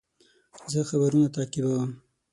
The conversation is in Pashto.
زه خبرونه تعقیبوم.